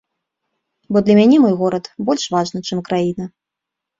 Бо для мяне мой горад больш важны, чым краіна.